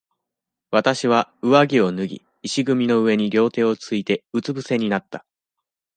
私は、上着を脱ぎ、石組みの上に両手をついて、うつ伏せになった。